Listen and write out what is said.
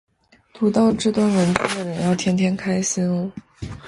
读到这段文字的人要天天开心哦